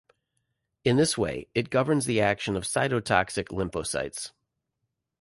In this way, it governs the action of cytotoxic lymphocytes.